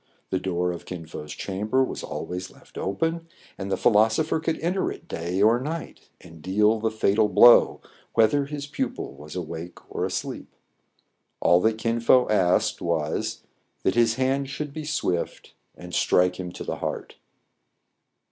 The door of Kin Fo*s cham ber was always left open ; and the philosopher could enter it day or night, and deal the fatal blow, whether his pupil was awake or asleep. All that Kin Fo asked was, that his hand should be swift, and strike him to the heart.